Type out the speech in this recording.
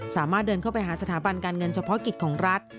สามารถเดินเข้าไปหาสถาบันการเงินเฉพาะกิจของรัฐ